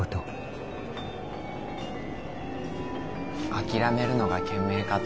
諦めるのが賢明かと。